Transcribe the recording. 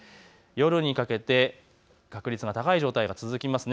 夜にかけて確率が高い状況が続きます。